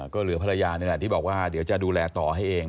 ก็เหลือภรรยานี่แหละที่บอกว่าเดี๋ยวจะดูแลต่อให้เอง